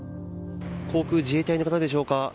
航空自衛隊の方でしょうか。